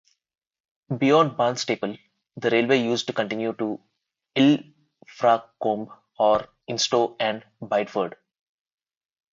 Beyond Barnstaple, the railway used to continue to Ilfracombe or Instow and Bideford.